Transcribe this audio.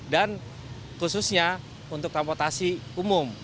dan khususnya untuk transportasi umum